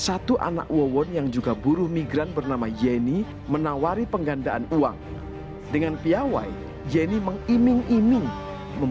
saya sampai pergi sama suami saya pak ada pengadaian umum